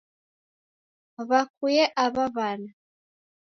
W'akunyea aw'a w'ana